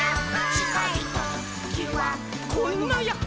「ちかいときはこんなヤッホ」